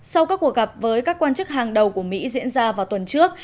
sau các cuộc gặp với các quan chức hàng đầu của mỹ diễn ra vào tuần trước